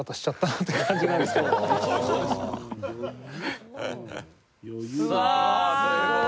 すごい。